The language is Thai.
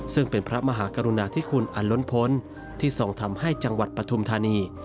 ซึ่งเป็นพระมหากรุณาธิคุณอันล้นพลที่ทรงทำให้จังหวัดปฐุมธานี